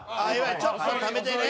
ちょっとためてね。